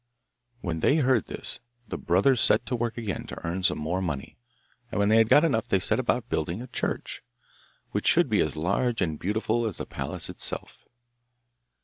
When they heard this the brothers set to work again to earn some more money, and when they had got enough they set about building a church, which should be as large and beautiful as the palace itself.